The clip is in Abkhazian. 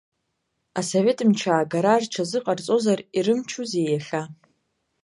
Асовет мчы аагара рҽазыҟарҵозар, ирымчузеи иахьа?!